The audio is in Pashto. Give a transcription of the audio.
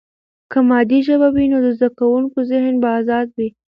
که مادي ژبه وي، نو د زده کوونکي ذهن به آزاد وي.